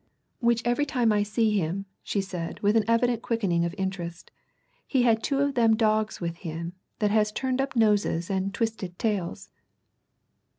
"Which every time I see him," she said, with an evident quickening of interest, "he had two of them dogs with him what has turned up noses and twisted tails."